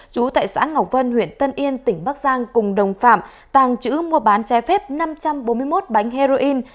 chú tại xã ngọc vân huyện tân yên tỉnh bắc giang cùng đồng phạm tàng trữ mua bán trái phép năm trăm bốn mươi một bánh heroin